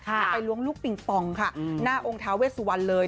ไปล้วงลูกปิงปองค่ะหน้าองค์ท้าเวสวันเลย